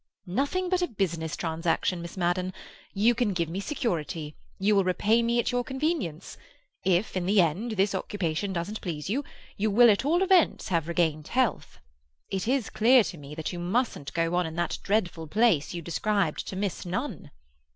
"Nothing but a business transaction, Miss Madden. You can give me security; you will repay me at your convenience. If, in the end, this occupation doesn't please you, you will at all events have regained health. It is clear to me that you mustn't go on in that dreadful place you described to Miss Nunn."